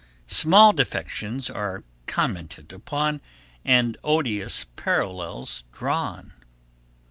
Small defections are commented upon and odious parallels drawn.